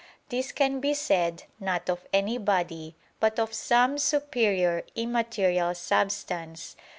This can be said, not of any body, but of some superior immaterial substance.